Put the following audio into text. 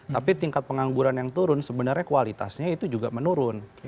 tapi tingkat pengangguran yang turun sebenarnya kualitasnya itu juga menurun